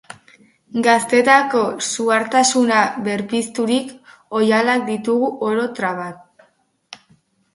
Gaztetako suhartasuna berpizturik, oihalak ditugu oro traban.